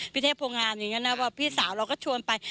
เทพโพงามอย่างนั้นนะว่าพี่สาวเราก็ชวนไป